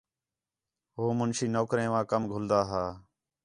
ہو مُنشی نوکریں وا کم گھلدا ہا